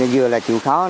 vừa là chịu khó